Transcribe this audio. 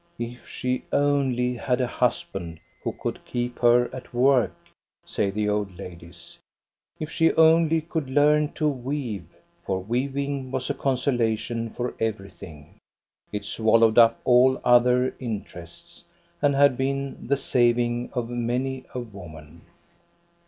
" If she only had a husband who could keep her at work !" say the old ladies. If she only could learn to weave !" For weaving was a consolation for everything; it swallowed up all other interests, and had been the saving of many a woman.